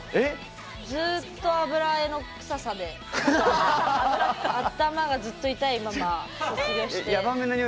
ずっと油絵の臭さで頭がずっと痛いまま卒業して。